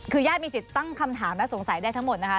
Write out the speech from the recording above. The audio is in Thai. คือญาติมีสิทธิ์ตั้งคำถามและสงสัยได้ทั้งหมดนะคะ